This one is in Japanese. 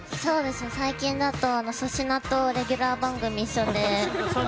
最近だと粗品とレギュラー番組一緒で。